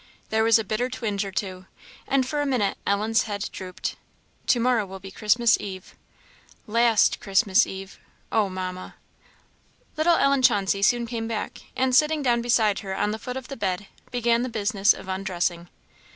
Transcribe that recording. There was a bitter twinge or two, and for a minute Ellen's head drooped. "To morrow will be Christmas eve last Christmas eve oh, Mamma!" Little Ellen Chauncey soon came back, and sitting down beside her on the foot of the bed, began the business of undressing.